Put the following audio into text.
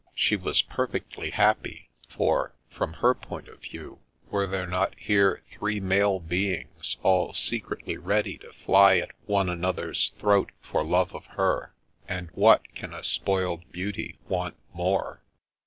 She was perfectly happy ; for — from her point of view — ^were there not here three male beings all secretly ready to fly at one another's throat for love of her; and what can a spoiled beauty want more?